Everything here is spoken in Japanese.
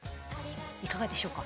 いかがでしょうか？